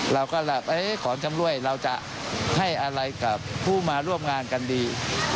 เราก็ขอชำรวยเราจะให้อะไรกับผู้มาร่วมงานกันดี